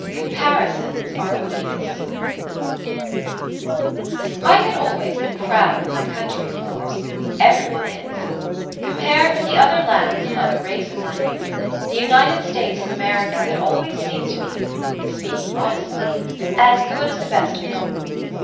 Comparisons Are Odious I had always been proud of my country, of course. Everyone is. Compared with the other lands and other races I knew, the United States of America had always seemed to me, speaking modestly, as good as the best of them.